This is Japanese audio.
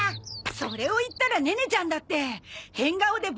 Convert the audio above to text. それを言ったらネネちゃんだって変顔で妨害したじゃないか！